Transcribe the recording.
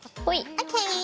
ＯＫ。